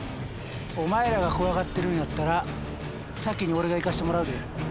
お前らが怖がってるんやったら先に俺が行かしてもらうで。